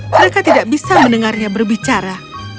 mereka tidak bisa mendengarnya berbicara